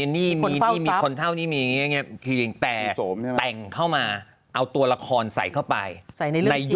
เนียงี้มีคนเจ้าแขน้นมีอะไรนี้แต่แต่งเข้ามาเอาตัวละครใส่เข้าไป